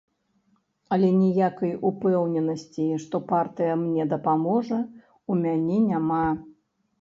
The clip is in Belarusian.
Але ніякай упэўненасці, што партыя мне дапаможа, у мяне няма.